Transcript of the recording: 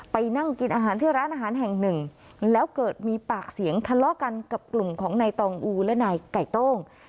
นั่งกินอาหารที่ร้านอาหารแห่งหนึ่งแล้วเกิดมีปากเสียงทะเลาะกันกับกลุ่มของนายตองอูและนายไก่โต้ง